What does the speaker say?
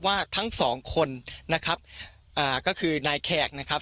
ว่าทั้งสองคนนะครับอ่าก็คือนายแขกนะครับ